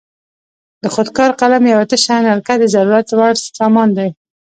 د خود کار قلم یوه تشه نلکه د ضرورت وړ سامان دی.